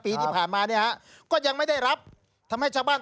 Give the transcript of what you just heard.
ปีที่ผ่านมาเนี่ยฮะก็ยังไม่ได้รับทำให้ชาวบ้าน